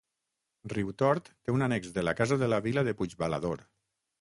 Riutort té un annex de la Casa de la Vila de Puigbalador.